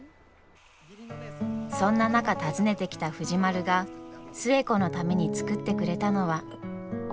そんな中訪ねてきた藤丸が寿恵子のために作ってくれたのは。